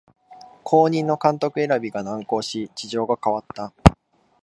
後任の監督選びが難航し事情が変わった